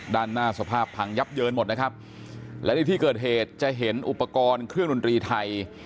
ด้านหน้าสภาพพังยับเยินหมดนะครับและในที่เกิดเหตุจะเห็นอุปกรณ์เครื่องดนตรีไทย